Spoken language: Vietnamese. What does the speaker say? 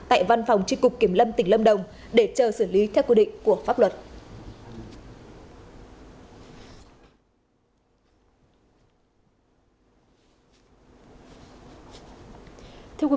tại văn phòng tri cục kiểm lâm tỉnh lâm đồng để chờ xử lý theo quy định của pháp luật